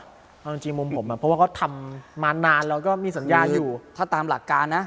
เพราะจริงจริงมุมผมอ่ะเพราะว่าเขาทำมานานแล้วก็มีสัญญาณอยู่หรือถ้าตามหลักการน่ะ